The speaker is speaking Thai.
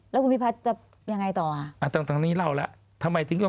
แล้วคุณพิพัฒน์จะยังไงต่ออ่ะตั้งตรงนี้เล่าแล้วทำไมถึงต้อง